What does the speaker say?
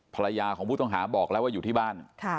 ภรรยาของผู้ต้องหาบอกแล้วว่าอยู่ที่บ้าน